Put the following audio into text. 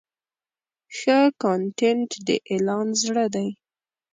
ښه کانټینټ د اعلان زړه دی.